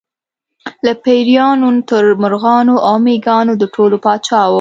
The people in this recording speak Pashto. له پېریانو تر مرغانو او مېږیانو د ټولو پاچا و.